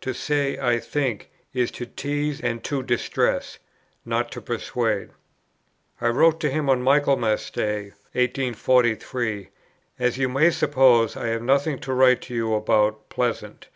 To say 'I think' is to tease and to distress, not to persuade." I wrote to him on Michaelmas Day, 1843: "As you may suppose, I have nothing to write to you about, pleasant.